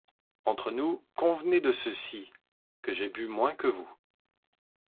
Entre nous, Convenez de ceci, — que j’ai bu moins que vous.